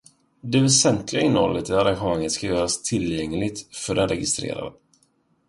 Det väsentliga innehållet i arrangemanget ska göras tillgängligt för den registrerade.